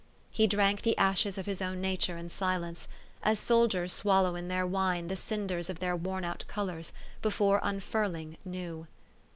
He drank the ashes of his own nature in silence, as soldiers swallow in their wine the cinders of their worn out colors, before unfurling new.